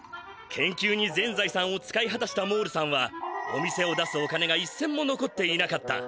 研究に全ざいさんを使いはたしたモールさんはお店を出すお金が１せんものこっていなかった。